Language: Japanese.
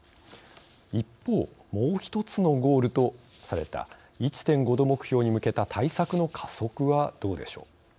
一方、もう１つのゴールとされた１．５℃目標に向けた対策の加速はどうでしょう。